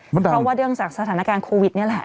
เพราะว่าเนื่องจากสถานการณ์โควิดนี่แหละ